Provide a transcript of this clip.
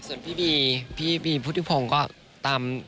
ส่วนพี่บีพี่บีพุทธิพงศ์ก็ตาม